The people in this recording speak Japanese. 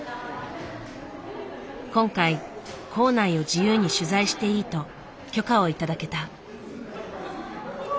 今回校内を自由に取材していいと許可を頂けた。